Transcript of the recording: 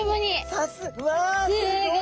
さすが。